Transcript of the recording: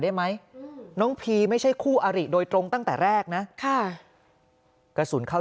ได้ไหมน้องพีไม่ใช่คู่อาริโดยตรงตั้งแต่แรกนะค่ะกระสุนเข้า